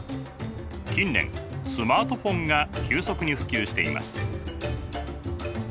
近年スマートフォンが急速に普及しています。